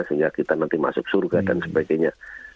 sehingga kita nanti masuk surga dan sebagainya